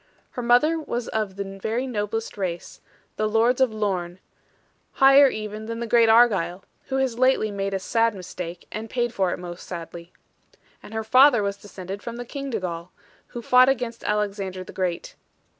Her mother was of the very noblest race, the Lords of Lorne; higher even than the great Argyle, who has lately made a sad mistake, and paid for it most sadly. And her father was descended from the King Dugal, who fought against Alexander the Great.